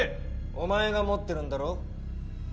お前が持ってるんだろ？